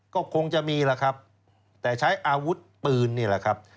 ก็คงจะมีล่ะครับแต่ใช้อาวุธปืนนี่แหละครับ